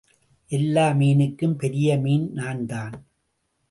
எல்லா மீனுக்கும் பெரிய மீன் நான்தான்.